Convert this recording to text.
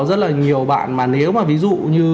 rất là nhiều bạn mà nếu mà ví dụ như